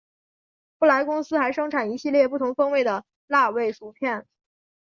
布莱公司还生产一系列不同风味的辣味薯片。